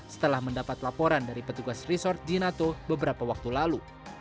setelah mendapat laporan dari petugas resort jinato beberapa waktu lalu